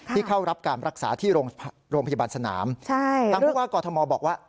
เข้ารับการรักษาที่โรงพยาบาลสนามทางผู้ว่ากอทมบอกว่า